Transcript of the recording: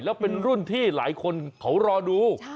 แล้วเป็นรุ่นที่หลายคนเขารอดู